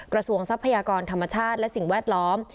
ทรัพยากรธรรมชาติและสิ่งแวดล้อม